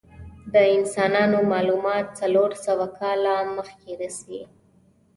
د انسانانو معلومات څلور سوه کاله مخکې رسی.